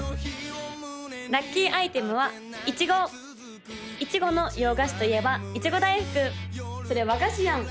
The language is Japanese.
・ラッキーアイテムはいちごいちごの洋菓子といえばいちご大福・それ和菓子やん！